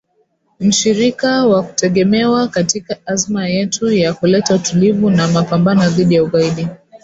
“Mshirika wa kutegemewa katika azma yetu ya kuleta utulivu na mapambano dhidi ya ugaidi”.